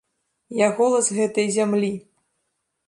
Я голас гэтай зямлі.